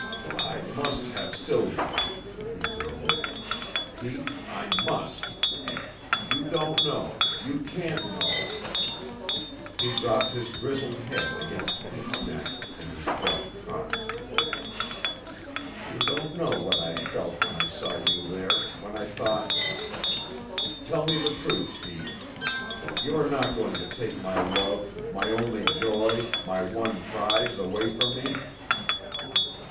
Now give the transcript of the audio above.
"I must have Sylvie," he groaned. "Pete, I must. You don't know; you can't know " He dropped his grizzled head against Pete's neck, and his breath caught. "You don't know what I felt when I saw you there, when I thought Tell me the truth, Pete. You are not going to take my love, my only joy, my one prize away from me?"